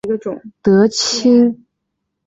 德钦梅花草为卫矛科梅花草属下的一个种。